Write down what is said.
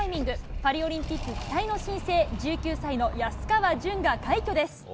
パリオリンピック期待の新星、１９歳の安川潤が快挙です。